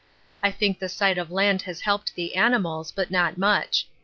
I think the sight of land has helped the animals, but not much.